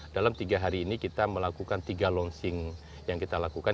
dalam tiga hari ini kita melakukan tiga launching yang kita lakukan